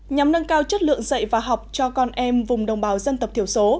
nhằm nâng cao chất lượng dạy và học cho con em vùng đồng bào dân tộc thiểu số